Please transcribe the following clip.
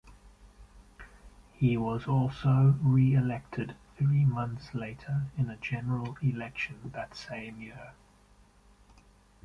He was also reelected three months later in a general election that same year.